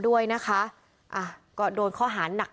สวัสดีครับ